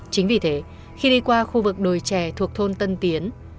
chính vì thế khi đi qua khu vực đồi trè thuộc thôn tân tiến